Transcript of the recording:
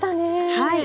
はい。